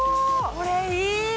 これいい！